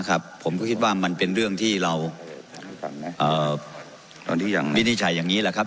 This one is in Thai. นะครับผมก็คิดว่ามันเป็นเรื่องที่เราเอ่อตอนที่อย่างนั้นวินิจฉัยอย่างงี้แหละครับ